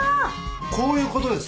こういうことです？